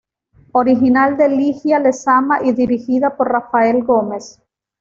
Original de Ligia Lezama y dirigida por Rafael Gómez.